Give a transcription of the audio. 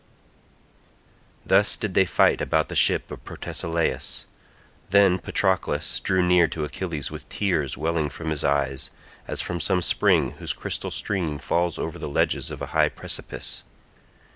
Thus did they fight about the ship of Protesilaus. Then Patroclus drew near to Achilles with tears welling from his eyes, as from some spring whose crystal stream falls over the ledges of a high precipice.